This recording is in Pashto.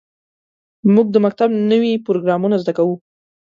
موږ د مکتب نوې پروګرامونه زده کوو.